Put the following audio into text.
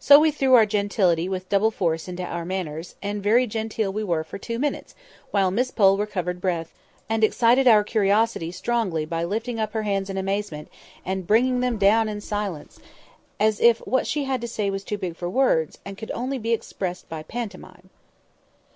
So we threw our gentility with double force into our manners, and very genteel we were for two minutes while Miss Pole recovered breath, and excited our curiosity strongly by lifting up her hands in amazement, and bringing them down in silence, as if what she had to say was too big for words, and could only be expressed by pantomime.